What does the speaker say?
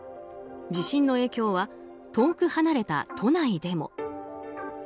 地震の影響は遠く離れた都内でも。